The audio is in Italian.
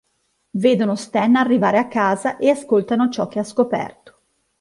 Vedono Stan arrivare a casa e ascoltano ciò che ha scoperto.